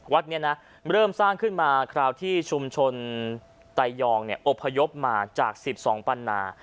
วัดนี้นะเริ่มสร้างขึ้นมาคราวที่ชุมชนไตยองอบพยพมาจาก๑๒ปันนา